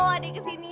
kebawa deh kesini